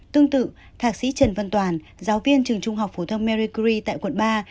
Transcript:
tương tự thạc sĩ trần văn toàn giáo viên trường trung học phổ thông maricry tại quận ba